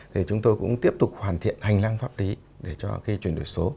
thì chúng tôi cũng tiếp tục hoàn thiện hành lang pháp lý để cho cái chuyển đổi số